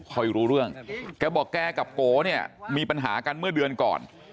ไม่รู้เรื่องแกบอกแกกับโกเนี่ยมีปัญหากันเมื่อเดือนก่อน